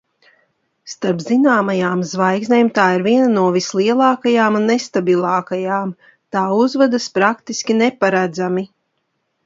Starp zināmajām zvaigznēm tā ir viena no vislielākajām un nestabilākajām, tā uzvedas praktiski neparedzami.